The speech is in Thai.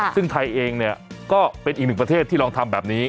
ซึ่งไทยเองเนี่ยก็เป็นอีกหนึ่งประเทศที่ลองทำแบบนี้